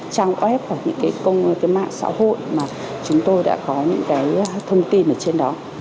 trang web hoặc những cái mạng xã hội mà chúng tôi đã có những cái thông tin ở trên đó